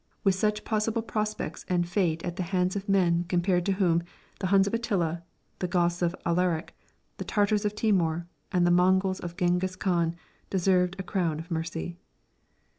With such possible prospects and fate at the hands of men compared to whom the Huns of Attila, the Goths of Alaric, the Tartars of Timur and the Mongols of Genghis Khan deserved a crown of mercy.